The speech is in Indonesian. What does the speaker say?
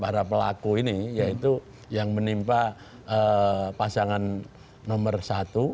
para pelaku ini yaitu yang menimpa pasangan nomor satu